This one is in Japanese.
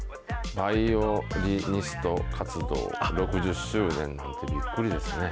バイオリニスト活動６０周年って、びっくりですね。